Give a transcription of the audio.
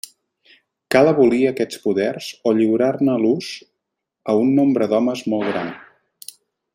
Cal abolir aquests poders o lliurar-ne l'ús a un nombre d'homes molt gran.